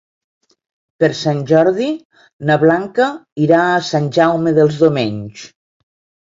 Per Sant Jordi na Blanca irà a Sant Jaume dels Domenys.